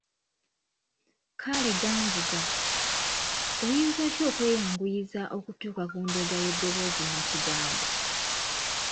Kaleeganvuga, oyinza otya okweyanguyiza okutuuka ku ndeega y’eddoboozi nnakigambo?